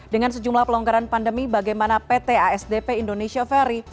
dengan sejumlah pelonggaran pandemi bagaimana pt asdp indonesia ferry